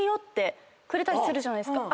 くれたりするじゃないですか。